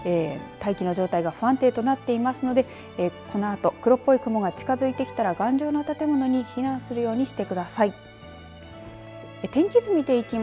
大気の状態が不安定となっていますのでこのあと黒っぽい雲が近づいてきたら頑丈な建物に避難するようにしてください。